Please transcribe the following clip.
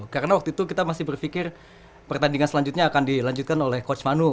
karena waktu itu kita masih berpikir pertandingan selanjutnya akan dilanjutkan oleh coach manu